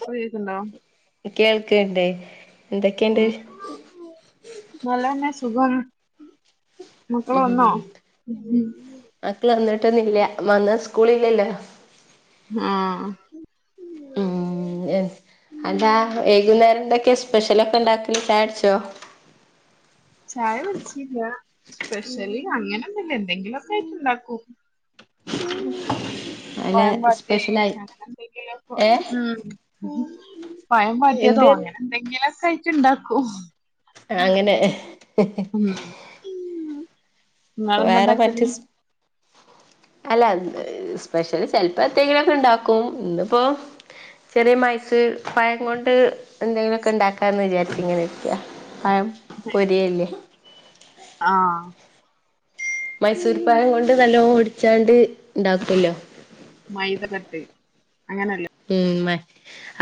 പ്പൊ കേക്ക്ണ്ടോ കേൾക്ക്ണ്ട് എന്തൊക്കെണ്ട്? ഉം നല്ലന്നെ സുഖം മക്കളൊൺന്നോ? മക്കളൊന്നിട്ടൊന്നില്യ. വന്നാ സ്കൂളില്യല്ലോ? ആഹ്‌ ഉം ഉം. എന്താ വൈകുന്നേരം എന്തൊക്കെയ സ്പെഷ്യലൊക്കെണ്ടാക്കല് ചായട്ച്ചോ? ചായ കുടിച്ചില്ല, സ്പെഷ്യല് അങ്ങനൊന്നുല്ല. എന്തെങ്കിലൊക്കായിട്ട് ണ്ടാക്കും. അല്ല പഴം വാട്ടേ.. സ്പെഷ്യലായി അങ്ങനെന്തെങ്കിലപ്പോ ഏ പയം വാട്ടിയതോ എന്ത് അങ്ങനെന്തെങ്കിലൊക്കായിട്ട് ഇണ്ടാക്കും. ആങ്ങനെ. ഉം ങ്ങളെന്താ വേറെ ണ്ടാക്കല്? മറ്റ് അല്ല, സ്പെഷ്യല് ചെൽപ്പ എത്തേങ്കിലൊക്കെണ്ടാക്കും. ഇന്ന്പ്പോ. ചെറ്യേ മൈസൂർപഴം കൊണ്ട് എന്തെങ്കിലൊക്കെണ്ടാക്കാന്ന് വിചാരിച്ച് ഇങ്ങനെ ഇരിക്ക. പയം പൊരിയല്ലേ? ആഹ്‌ മൈസൂർ പയം കൊണ്ട് നല്ലോ ഒട് ച്ചാണ്ട് ഇണ്ടാക്കൊല്ലൊ? മൈദകട്ട് അങ്ങനല്ലേ? ഉം മ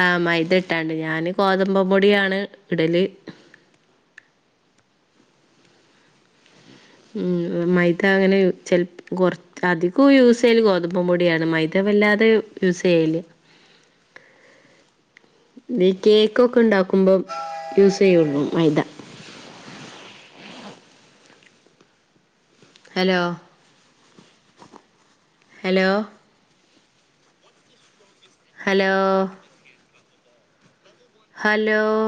ആ മൈദ ഇട്ടാണ്ട് ഞാന് ഗോതമ്പ പൊടിയാണ് ഇടല്. ഉം മൈദ അങ്ങനെ ചെൽപ്പ് കൊർ അധികും യൂസയ്യല് ഗോതമ്പ പൊടിയാണ് മൈദ വല്ലാതെ യൂസയ്യല്. ഈ കേക്കൊക്കെ ഇണ്ടാക്കുമ്പം യൂസെയ്യുള്ളൂ മൈദ ഹലോ ഹലോ ഹലോ ഹലോ